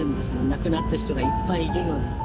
亡くなった人がいっぱいいるのに。